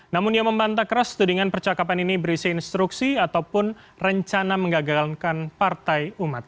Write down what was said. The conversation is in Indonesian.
namun ia membantah keras tudingan percakapan ini berisi instruksi ataupun rencana mengagalkan partai umat